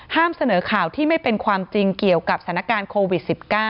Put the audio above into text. เสนอข่าวที่ไม่เป็นความจริงเกี่ยวกับสถานการณ์โควิด๑๙